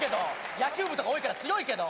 野球部とか多いから強いけど。